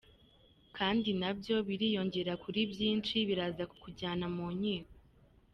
Kandi na byo biriyongera kuri byinshi biraza kukujyana mu nkiko.